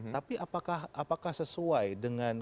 tapi apakah sesuai dengan